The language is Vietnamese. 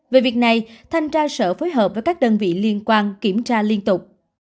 về việc này thanh tra sở phối hợp với các đơn vị liên quan kiểm tra liên tục